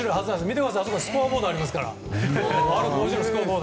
見てください、甲子園のスコアボードがありますから。